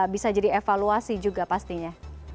bisa jadi evaluasi juga pastinya